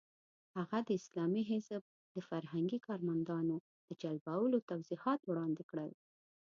هغه د اسلامي حزب د فرهنګي کارمندانو د جلبولو توضیحات وړاندې کړل.